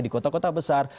di kota kota besar